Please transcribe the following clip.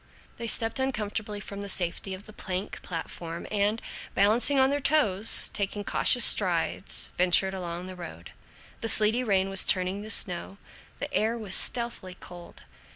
They stepped uncomfortably from the safety of the plank platform and, balancing on their toes, taking cautious strides, ventured along the road. The sleety rain was turning to snow. The air was stealthily cold.